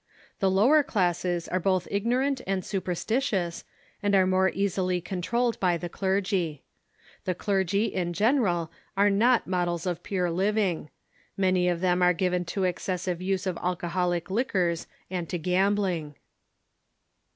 The lower classes are both ignorant and superstitious, and are more easily controlled by the clergy. The clergy, in general, are not mod els of pure living. Many of them are given to excessive use of alcoholic liquors and to gambling.